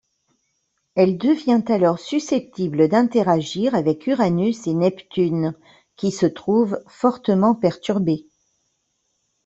Elle devient alors susceptible d'interagir avec Uranus et Neptune, qui se trouvent fortement perturbées.